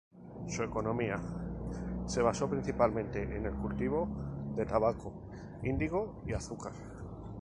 Su economía se basó principalmente en el cultivo de tabaco, indigo y azúcar.